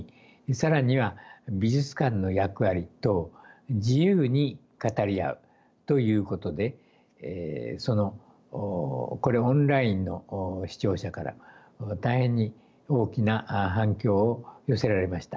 更には美術館の役割等自由に語り合うということでそのこれオンラインの視聴者から大変に大きな反響を寄せられました。